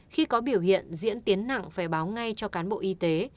khi có biểu hiện diễn tiến nặng phải báo ngay cho cán bộ y tế